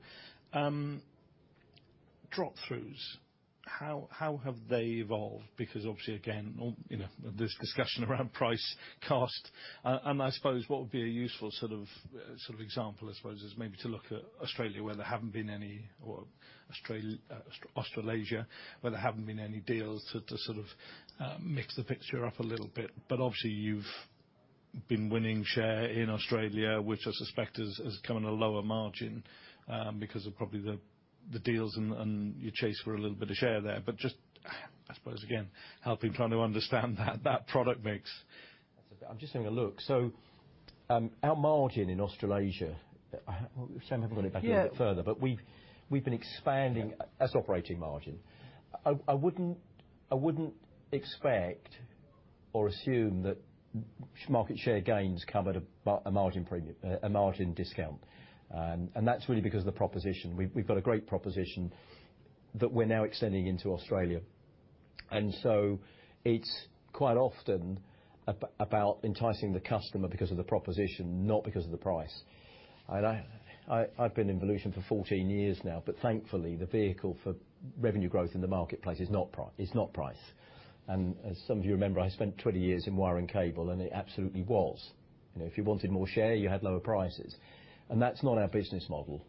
Drop-throughs, how have they evolved? Because obviously, again, all you know, this discussion around price, cost, and I suppose what would be a useful sort of, sort of example I suppose is maybe to look at Australia where there haven't been any. Australasia, where there haven't been any deals to sort of mix the picture up a little bit. Obviously you've been winning share in Australia, which I suspect is coming at a lower margin because of probably the deals and you chase for a little bit of share there. Just, I suppose again, helping try to understand that product mix. I'm just having a look. Our margin in Australasia, Sam, have a look at it a bit further. Yeah. We've been expanding our operating margin. I wouldn't expect or assume that market share gains come at a margin premium, a margin discount. That's really because of the proposition. We've got a great proposition that we're now extending into Australia. It's quite often about enticing the customer because of the proposition, not because of the price. I've been in Volution for 14 years now, but thankfully the vehicle for revenue growth in the marketplace is not price. As some of you remember, I spent 20 years in wire and cable, and it absolutely was. You know, if you wanted more share, you had lower prices. That's not our business model.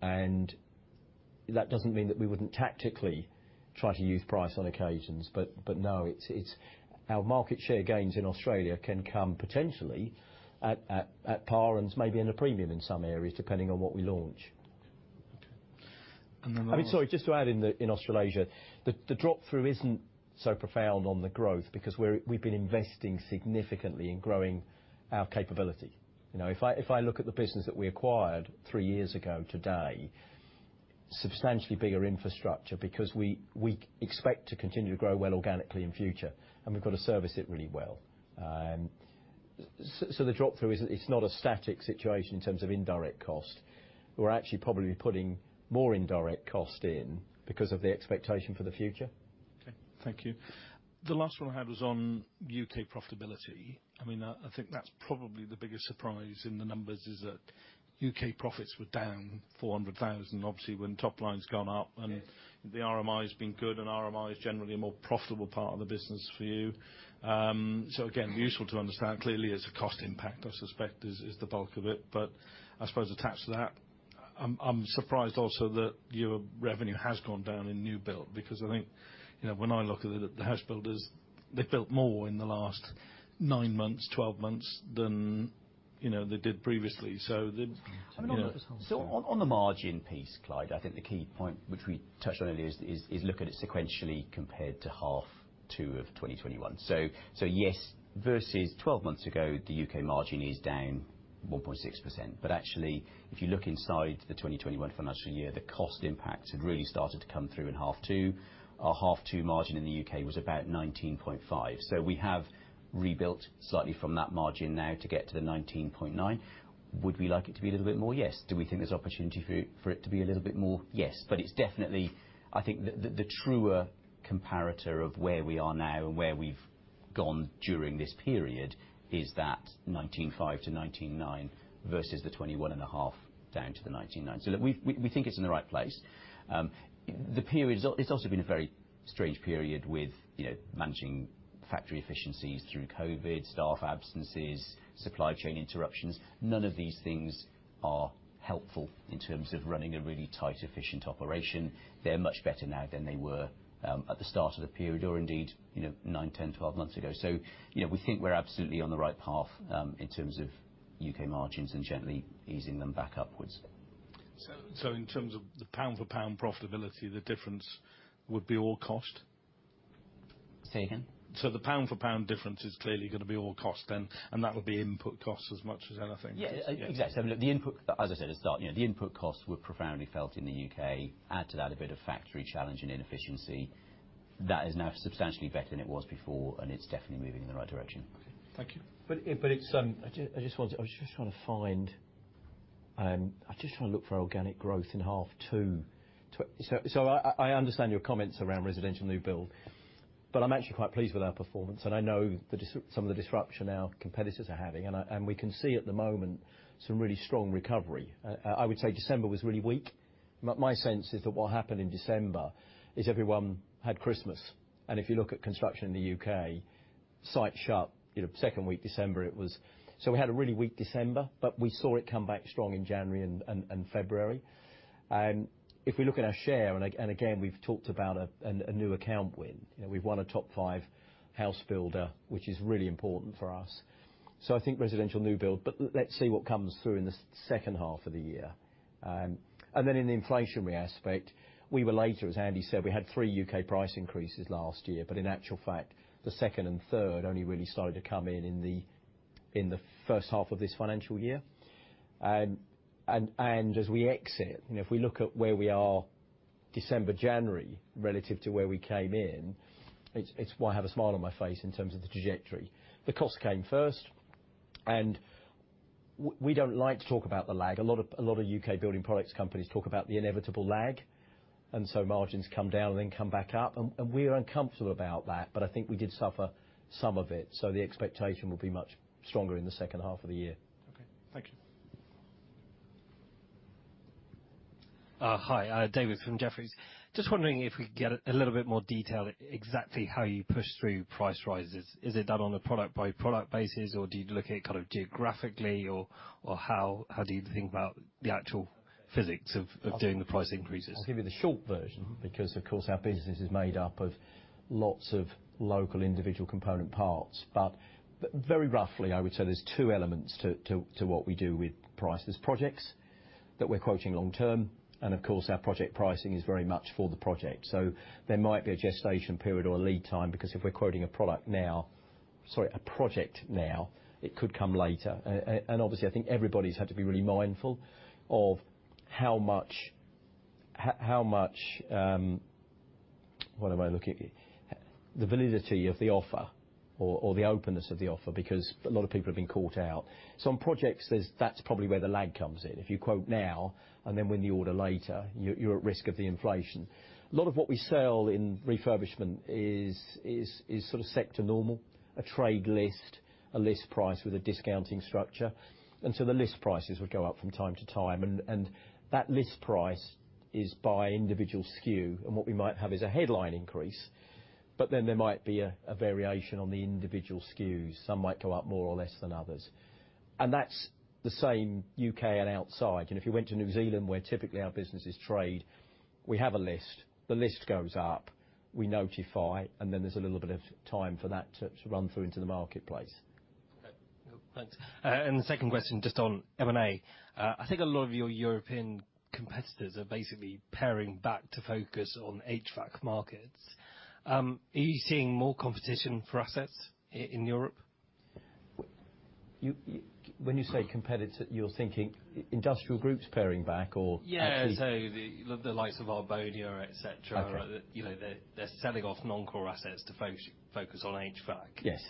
that doesn't mean that we wouldn't tactically try to use price on occasions, but no, it's. Our market share gains in Australia can come potentially at par and maybe in a premium in some areas, depending on what we launch. And then last. I mean, sorry, just to add in Australasia, the drop through isn't so profound on the growth because we've been investing significantly in growing our capability. You know, if I look at the business that we acquired three years ago today, substantially bigger infrastructure because we expect to continue to grow well organically in future, and we've got to service it really well. The drop through is, it's not a static situation in terms of indirect cost. We're actually probably putting more indirect cost in because of the expectation for the future. Okay, thank you. The last one I had was on U.K. profitability. I mean, I think that's probably the biggest surprise in the numbers is that U.K. profits were down 400 thousand, obviously, when top line's gone up. Yes the RMI has been good and RMI is generally a more profitable part of the business for you. Again, useful to understand. Clearly it's a cost impact, I suspect is the bulk of it. I suppose attached to that, I'm surprised also that your revenue has gone down in new build, because I think, you know, when I look at the house builders, they've built more in the last nine months, 12 months than, you know, they did previously. The, you know. On the margin piece, Clyde, I think the key point which we touched on earlier is look at it sequentially compared to half two of 2021. Yes, versus 12 months ago, the U.K. margin is down 1.6%. Actually, if you look inside the 2021 financial year, the cost impacts had really started to come through in half two. Our half two margin in the U.K. was about 19.5%. We have rebuilt slightly from that margin now to get to the 19.9%. Would we like it to be a little bit more? Yes. Do we think there's opportunity for it to be a little bit more? Yes. It's definitely, I think the truer comparator of where we are now and where we've gone during this period is that 19.5%-19.9% versus the 21.5% down to the 19.9%. We think it's in the right place. The period's. It's also been a very strange period with, you know, managing factory efficiencies through COVID, staff absences, supply chain interruptions. None of these things are helpful in terms of running a really tight, efficient operation. They're much better now than they were at the start of the period or indeed, you know, nine, 10, 12 months ago. We think we're absolutely on the right path in terms of U.K. margins and gently easing them back upwards. In terms of the pound for pound profitability, the difference would be all cost? Say again? The pound for pound difference is clearly gonna be all cost then, and that would be input costs as much as anything. Yeah, exactly. I mean, look, the input, as I said at the start, you know, the input costs were profoundly felt in the U.K. Add to that a bit of factory challenge and inefficiency. That is now substantially better than it was before, and it's definitely moving in the right direction. Okay. Thank you. I'm just trying to look for organic growth in half two. I understand your comments around residential new build, but I'm actually quite pleased with our performance, and I know some of the disruption our competitors are having, and we can see at the moment some really strong recovery. I would say December was really weak. My sense is that what happened in December is everyone had Christmas, and if you look at construction in the U.K., sites shut, you know, second week December. We had a really weak December, but we saw it come back strong in January and February. If we look at our share, and again, we've talked about a new account win. You know, we've won a top five house builder, which is really important for us. I think residential new build, but let's see what comes through in the second half of the year. In the inflationary aspect, we were later, as Andy said. We had three U.K. price increases last year, but in actual fact, the second and third only really started to come in in the first half of this financial year. As we exit, you know, if we look at where we are December, January, relative to where we came in, it's why I have a smile on my face in terms of the trajectory. The cost came first, and we don't like to talk about the lag. A lot of U.K. building products companies talk about the inevitable lag, and so margins come down and then come back up, and we're uncomfortable about that, but I think we did suffer some of it. The expectation will be much stronger in the second half of the year. Thank you. Hi. David from Jefferies. Just wondering if we could get a little bit more detail exactly how you push through price rises. Is it done on a product by product basis, or do you look at it kind of geographically or how do you think about the actual physics of doing the price increases? I'll give you the short version. Mm-hmm. Because, of course, our business is made up of lots of local individual component parts. Very roughly, I would say there's two elements to what we do with prices. Projects that we're quoting long-term, and of course, our project pricing is very much for the project. There might be a gestation period or a lead time, because if we're quoting a project now, it could come later. And obviously I think everybody's had to be really mindful of how much how much the validity of the offer or the openness of the offer, because a lot of people have been caught out. Some projects, that's probably where the lag comes in. If you quote now, and then win the order later, you're at risk of the inflation. A lot of what we sell in refurbishment is sort of sector normal, a trade list, a list price with a discounting structure. The list prices would go up from time to time, and that list price is by individual SKU. What we might have is a headline increase, but then there might be a variation on the individual SKUs. Some might go up more or less than others. That's the same U.K. and outside. You know, if you went to New Zealand, where typically our business is trade, we have a list. The list goes up, we notify, and then there's a little bit of time for that to run through into the marketplace. Okay. Thanks. The second question, just on M&A. I think a lot of your European competitors are basically paring back to focus on HVAC markets. Are you seeing more competition for assets in Europe? When you say competitor, you're thinking industrial groups paring back or actually? Yeah. The likes of Aalberts, et cetera. Okay. You know, they're selling off non-core assets to focus on HVAC. Yes.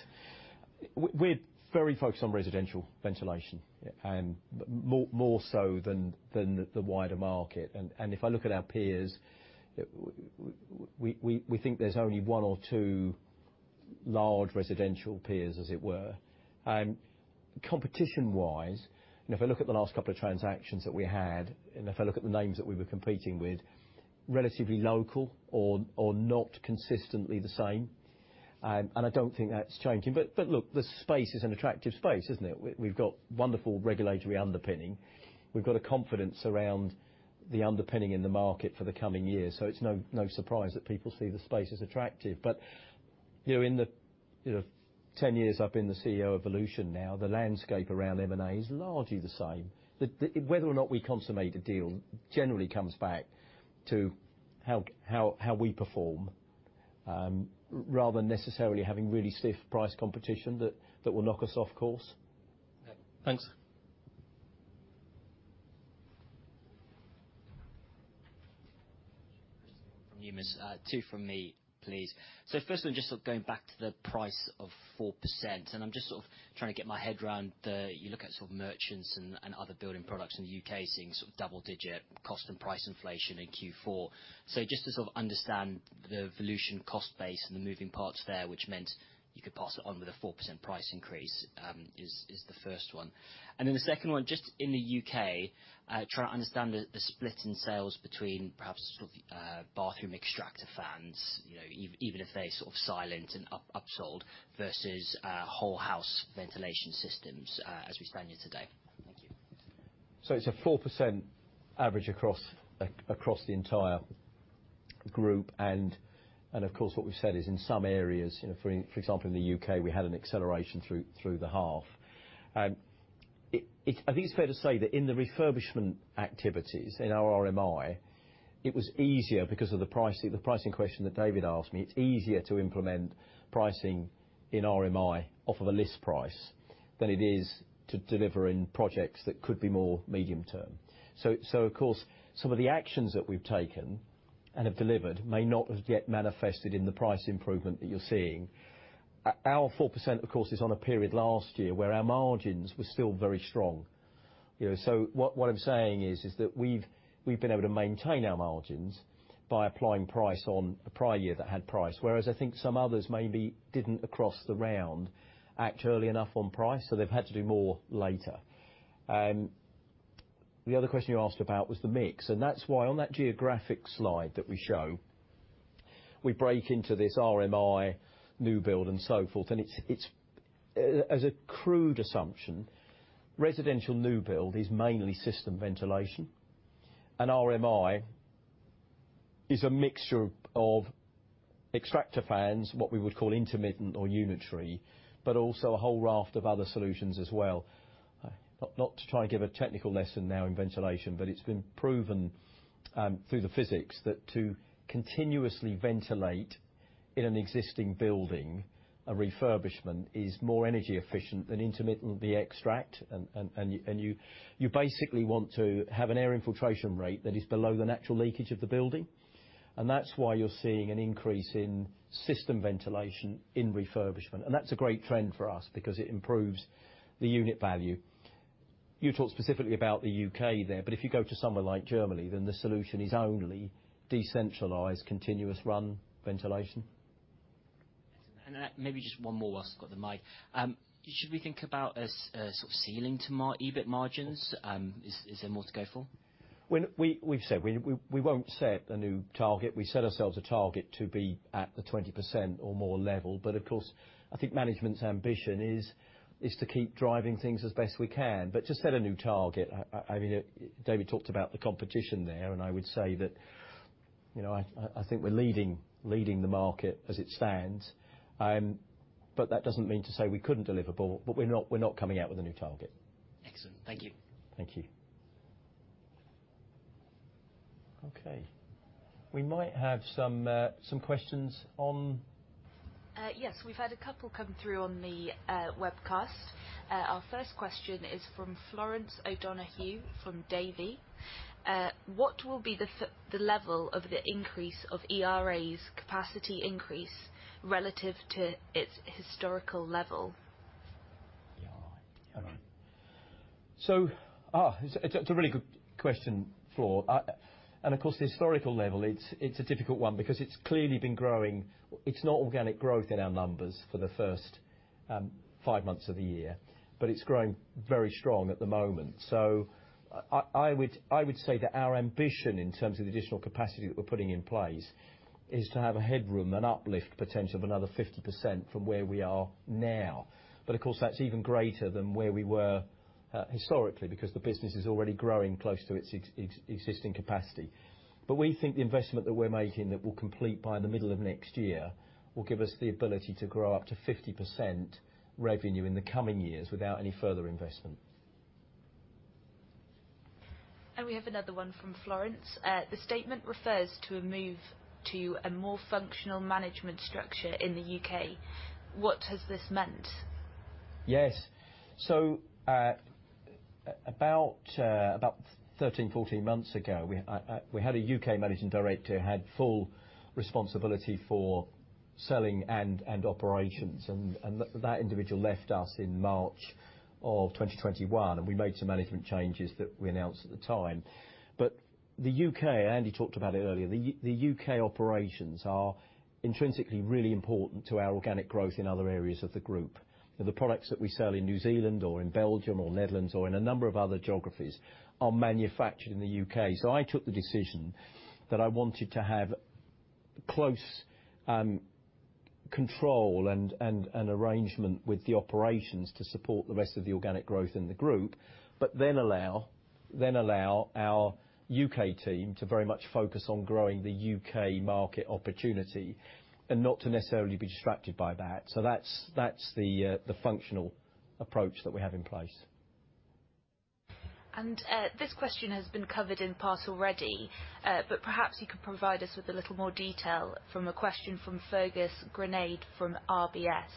We're very focused on residential ventilation, and more so than the wider market. If I look at our peers, we think there's only one or two large residential peers, as it were. Competition-wise, you know, if I look at the last couple of transactions that we had, and if I look at the names that we were competing with, relatively local or not consistently the same. I don't think that's changing. Look, the space is an attractive space, isn't it? We've got wonderful regulatory underpinning. We've got a confidence around the underpinning in the market for the coming years. It's no surprise that people see the space as attractive. You know, in the 10 years I've been the CEO of Volution now, the landscape around M&A is largely the same. Whether or not we consummate a deal generally comes back to how we perform, rather than necessarily having really stiff price competition that will knock us off course. Okay. Thanks. From Numis. Two from me, please. First one, just sort of going back to the price of 4%. I'm just sort of trying to get my head around the. You look at sort of merchants and other building products in the U.K. seeing sort of double-digit cost and price inflation in Q4. Just to sort of understand the Volution cost base and the moving parts there, which meant you could pass it on with a 4% price increase, is the first one. Then the second one, just in the U.K., trying to understand the split in sales between perhaps sort of bathroom extractor fans, you know, even if they sort of silent and upsold, versus whole house ventilation systems, as we stand here today. Thank you. It's a 4% average across the entire group. Of course, what we've said is in some areas, you know, for example, in the U.K., we had an acceleration through the half. I think it's fair to say that in the refurbishment activities in our RMI, it was easier because of the pricing, the pricing question that David asked me. It's easier to implement pricing in RMI off of a list price than it is to deliver in projects that could be more medium-term. Of course, some of the actions that we've taken and have delivered may not have yet manifested in the price improvement that you're seeing. Our 4%, of course, is on a period last year where our margins were still very strong. You know, what I'm saying is that we've been able to maintain our margins by applying price on a prior year that had price, whereas I think some others maybe didn't act across the board early enough on price, so they've had to do more later. The other question you asked about was the mix, and that's why on that geographic slide that we show, we break into this RMI new build and so forth, and it's. As a crude assumption, residential new build is mainly system ventilation, and RMI is a mixture of extractor fans, what we would call intermittent or unitary, but also a whole raft of other solutions as well. Not to try and give a technical lesson now in ventilation, but it's been proven through the physics that to continuously ventilate in an existing building, a refurbishment is more energy efficient than intermittent extract. You basically want to have an air infiltration rate that is below the natural leakage of the building, and that's why you're seeing an increase in system ventilation in refurbishment. That's a great trend for us because it improves the unit value. You talked specifically about the U.K. there, but if you go to somewhere like Germany, then the solution is only decentralized continuous run ventilation. Maybe just one more while I've got the mic. Should we think about a sort of ceiling to EBIT margins? Is there more to go for? We've said we won't set a new target. We set ourselves a target to be at the 20% or more level. Of course, I think management's ambition is to keep driving things as best we can. To set a new target, I mean, David talked about the competition there, and I would say that, you know, I think we're leading the market as it stands. That doesn't mean to say we couldn't deliver more, but we're not coming out with a new target. Excellent. Thank you. Thank you. Okay, we might have some questions on. Yes, we've had a couple come through on the webcast. Our first question is from Florence O'Donoghue from Davy. What will be the level of the increase of ERI's capacity increase relative to its historical level? All right. It's a really good question, Florence. Of course, the historical level, it's a difficult one because it's clearly been growing. It's not organic growth in our numbers for the first 5 months of the year, but it's growing very strong at the moment. I would say that our ambition in terms of the additional capacity that we're putting in place is to have a headroom and uplift potential of another 50% from where we are now. Of course, that's even greater than where we were historically, because the business is already growing close to its existing capacity. We think the investment that we're making that we'll complete by the middle of next year will give us the ability to grow up to 50% revenue in the coming years without any further investment. We have another one from Florence. The statement refers to a move to a more functional management structure in the U.K. What has this meant? Yes. About 13, 14 months ago, we had a U.K. managing director who had full responsibility for selling and operations, and that individual left us in March 2021, and we made some management changes that we announced at the time. The U.K., Andy talked about it earlier, the U.K. operations are intrinsically really important to our organic growth in other areas of the group. The products that we sell in New Zealand or in Belgium or the Netherlands or in a number of other geographies are manufactured in the U.K. I took the decision that I wanted to have close control and an arrangement with the operations to support the rest of the organic growth in the group, but then allow our U.K. team to very much focus on growing the U.K. market opportunity and not to necessarily be distracted by that. That's the functional approach that we have in place. This question has been covered in part already, but perhaps you could provide us with a little more detail from a question from Fergus Garnade from RBS.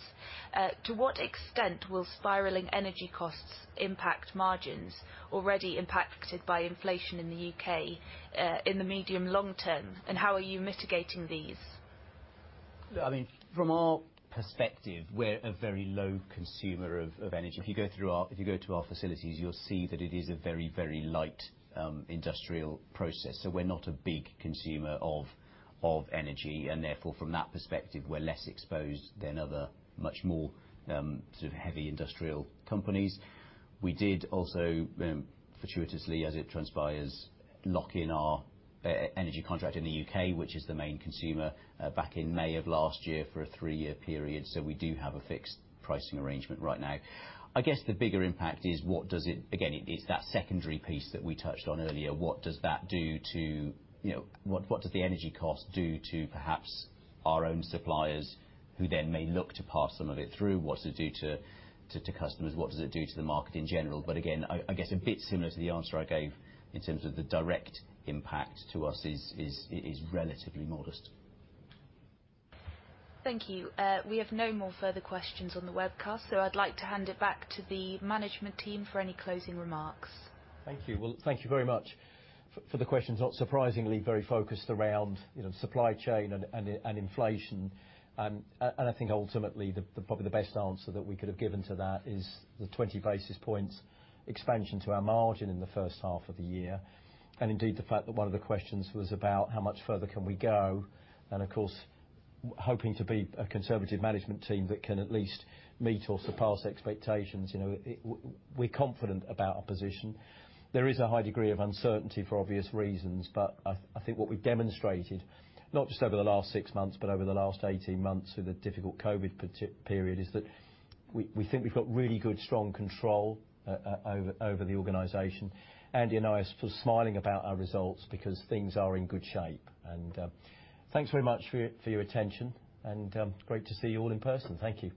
To what extent will spiraling energy costs impact margins already impacted by inflation in the U.K., in the medium long term, and how are you mitigating these? I mean, from our perspective, we're a very low consumer of energy. If you go to our facilities, you'll see that it is a very, very light industrial process. So we're not a big consumer of energy, and therefore from that perspective, we're less exposed than other much more sort of heavy industrial companies. We did also, fortuitously, as it transpires, lock in our energy contract in the U.K., which is the main consumer, back in May of last year for a three-year period. So we do have a fixed pricing arrangement right now. I guess the bigger impact is what does it. Again, it is that secondary piece that we touched on earlier. What does that do to, you know, what does the energy cost do to perhaps our own suppliers who then may look to pass some of it through? What does it do to customers? What does it do to the market in general? Again, I guess a bit similar to the answer I gave in terms of the direct impact to us is relatively modest. Thank you. We have no more further questions on the webcast, so I'd like to hand it back to the management team for any closing remarks. Thank you. Well, thank you very much for the questions. Not surprisingly, very focused around, you know, supply chain and inflation. I think ultimately, probably the best answer that we could have given to that is the 20 basis points expansion to our margin in the first half of the year. Indeed, the fact that one of the questions was about how much further can we go, and of course, hoping to be a conservative management team that can at least meet or surpass expectations. You know, we're confident about our position. There is a high degree of uncertainty for obvious reasons, but I think what we've demonstrated, not just over the last six months, but over the last 18 months with a difficult COVID period, is that we think we've got really good strong control over the organization. Andy and I are smiling about our results because things are in good shape. Thanks very much for your attention, and great to see you all in person. Thank you.